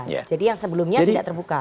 jadi yang sebelumnya tidak terbuka